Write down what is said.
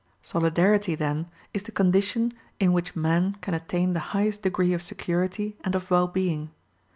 Solidarity, then, is the condition in which man can attain the highest degree of security and of well being.